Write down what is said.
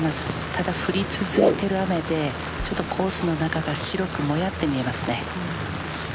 ただ降り続いている雨でちょっとコースの中が白くもやって見えますね。